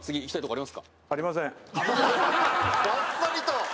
ばっさりと。